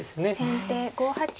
先手５八金。